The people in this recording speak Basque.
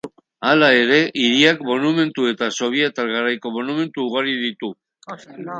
Hala ere, hiriak monumentu eta sobietar garaiko monumentu ugari ditu.